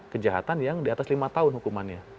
kejahatan yang diatas lima tahun hukumannya